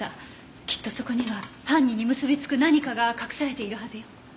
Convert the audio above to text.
きっとそこには犯人に結びつく何かが隠されているはずよ。